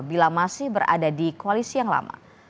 bila masih berada di koalisi yang lama